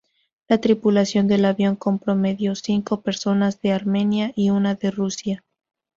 La tripulación del avión comprendió cinco personas de Armenia y una de Rusia.